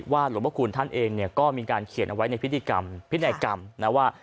หลวงพระคุณท่านเองเนี่ยก็มีการเขียนเอาไว้ในพิธีกรรมพินัยกรรมนะว่า